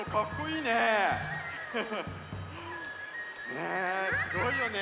ねえすごいよね？